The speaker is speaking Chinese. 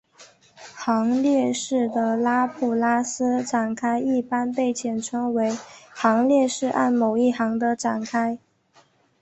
行列式的拉普拉斯展开一般被简称为行列式按某一行的展开。